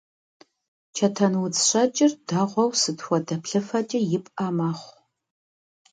Чэтэнудз щэкӀыр дэгъуэу сыт хуэдэ плъыфэкӀи ипӀэ мэхъу.